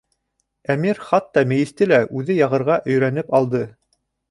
Әмир хатта мейесте лә үҙе яғырға өйрәнеп алды.